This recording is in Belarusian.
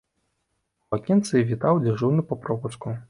У акенцы вітаў дзяжурны на пропуску.